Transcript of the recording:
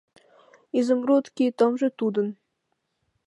Изумруд кӱ томжо тудын